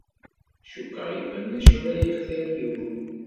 Cukkeɣ iban acu ara yextir yiwen.